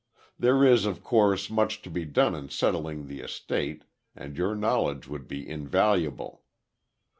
There is, of course, much to be done in settling the estate, and your knowledge would be invaluable.